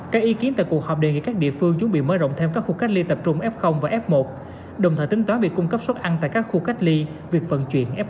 các ý kiến tại cuộc họp đề nghị các địa phương chuẩn bị mở rộng thêm các khu cách ly tập trung f và f một đồng thời tính toán việc cung cấp suất ăn tại các khu cách ly việc vận chuyển f hai